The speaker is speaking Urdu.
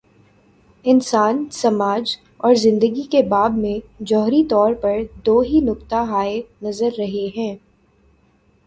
انسان، سماج اور زندگی کے باب میں، جوہری طور پر دو ہی نقطہ ہائے نظر رہے ہیں۔